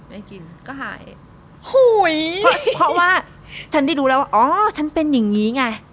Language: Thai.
ได้กินก็หายหุ้ยเพราะว่าฉันได้ดูแล้วว่าอ๋อฉันเป็นอย่างงี้ไง